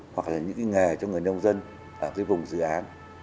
hoặc là những nghề cho người nông dân ở vùng dự án